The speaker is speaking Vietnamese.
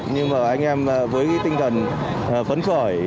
nhưng mà anh em với tinh thần phấn khởi